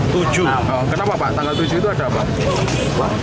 kenapa pak tanggal tujuh itu ada apa